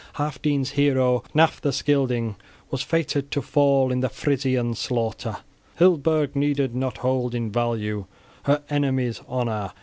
{16d} Healfdene's hero, Hnaef the Scylding, was fated to fall in the Frisian slaughter. {16e} Hildeburh needed not hold in value her enemies' honor!